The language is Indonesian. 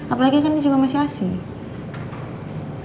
apalagi kan dia juga masih asyik